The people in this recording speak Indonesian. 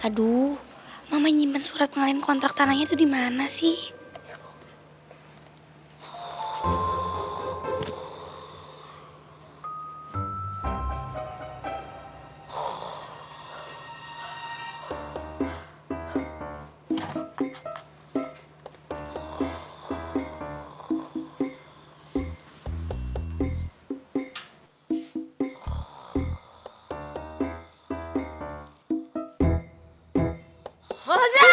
aduh mama nyimpen surat ngalin kontrak tanahnya tuh dimana sih